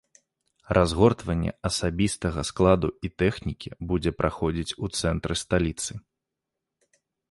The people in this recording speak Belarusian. Разгортванне асабістага складу і тэхнікі будзе праходзіць у цэнтры сталіцы.